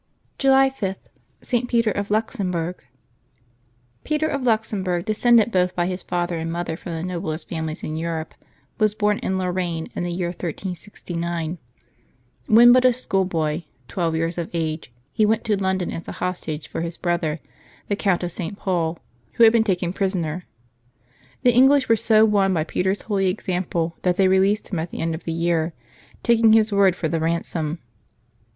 July 5.— ST. PETER OF LUXEMBURG. CETER OF Luxemburg, descended both by his father and mother from the noblest families in Europe, was born in Lorraine, in the year 1369. When but a schoolboy, twelve years of age, he went to London as a hostage for his brother, the Count of St. Pol, who had been taken prisoner. The English were so won by Peter's holy example that they released him at the end of the year, taking his word for the ransom.